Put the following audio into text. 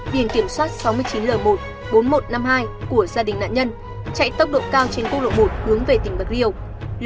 biển kiểm soát sáu mươi chín l một bốn nghìn một trăm năm mươi hai của gia đình nạn nhân chạy tốc độ cao trên quốc lộ một hướng về tỉnh bạc liêu